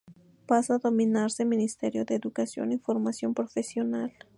Pasa a denominarse "Ministerio de Educación y Formación Profesional".